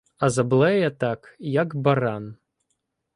А заблеє так, як баран.